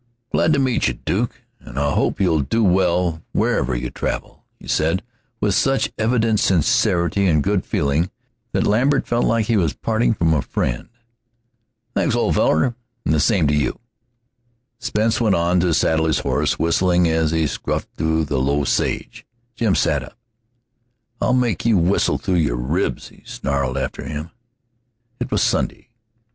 "I'm glad I met you, Duke, and I hope you'll do well wherever you travel," he said, with such evident sincerity and good feeling that Lambert felt like he was parting from a friend. "Thanks, old feller, and the same to you." Spence went on to saddle his horse, whistling as he scuffed through the low sage. Jim sat up. "I'll make you whistle through your ribs," he snarled after him. It was Sunday.